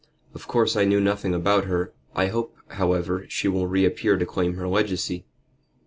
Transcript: Of course, I know nothing about her. I hope, however, she will reappear to claim her legacy."